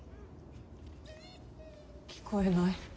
聞こえない。